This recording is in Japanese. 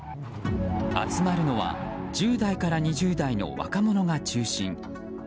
集まるのは１０代から２０代の若者が中心。